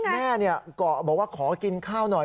แม่ก็บอกว่าขอกินข้าวหน่อย